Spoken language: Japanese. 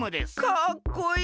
かっこいい！